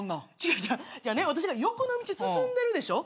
私が欲の道進んでるでしょ。